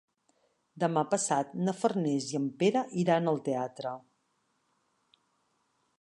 Demà passat na Farners i en Pere iran al teatre.